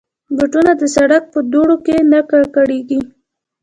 بوټونه د سړک په دوړو کې نه ککړېږي.